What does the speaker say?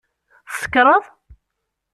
Tsekṛeḍ?